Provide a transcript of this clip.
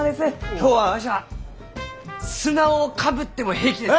今日はわしは砂をかぶっても平気です。